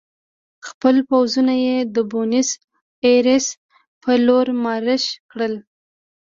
خپل پوځونه یې د بونیس ایرس په لور مارش کړل.